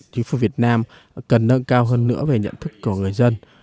chính phủ việt nam cần nâng cao hơn nữa về nhận thức của người dân